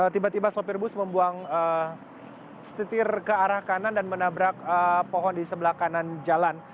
tiba tiba sopir bus membuang setitir ke arah kanan dan menabrak pohon di sebelah kanan jalan